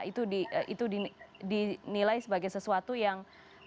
itu dinilai sebagai sesuatu yang